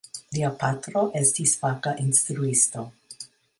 Lia patro estis faka instruisto.